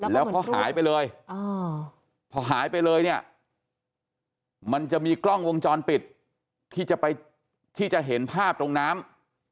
แล้วเขาหายไปเลยพอหายไปเลยเนี่ยมันจะมีกล้องวงจรปิดที่จะไปที่จะเห็นภาพตรงน้ำ